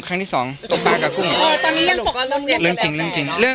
ตอนนี้ก็เรียนแย่